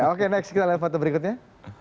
oke next kita lihat foto berikutnya